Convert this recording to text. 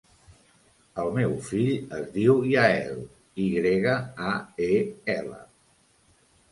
El meu fill es diu Yael: i grega, a, e, ela.